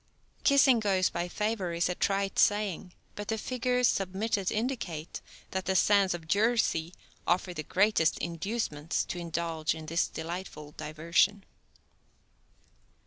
Kissing goes by favor is a trite saying, but the figures submitted indicate that the sands of Jersey offer the greatest inducements to indulge in this delightful diversion.